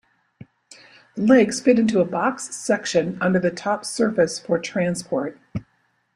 The legs fit into a box section under the top surface for transport.